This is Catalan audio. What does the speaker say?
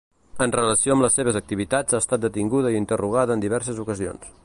En relació amb les seves activitats ha estat detinguda i interrogada en diverses ocasions.